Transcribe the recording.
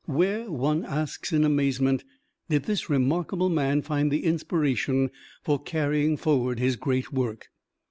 Where, one asks in amazement, did this remarkable man find the inspiration for carrying forward his great work?